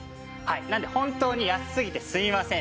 なので本当に安すぎてすみません。